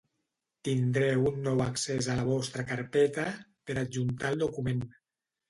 Tindreu un nou accés a la vostra carpeta per adjuntar el document.